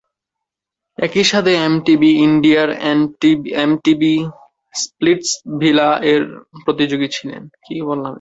একই সাথে এমটিভি ইন্ডিয়ার "এমটিভি স্প্লিটসভিলা"র প্রতিযোগী ছিলেন।